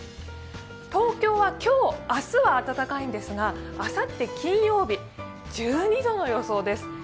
東京は今日、明日は暖かいんですがあさって金曜日、１２度の予想です。